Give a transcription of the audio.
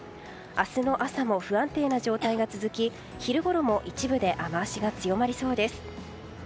明日の朝も不安定な状態が続き昼ごろも一部で雨脚が強まりそうです。